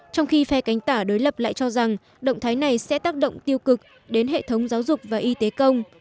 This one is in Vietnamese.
trong khi phe cánh tả đối lập lại cho rằng động thái này sẽ tác động tiêu cực đến hệ thống giáo dục và y tế công